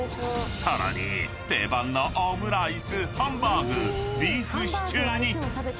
［さらに定番のオムライスハンバーグビーフシチューに］